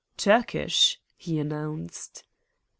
"Turkish," he announced.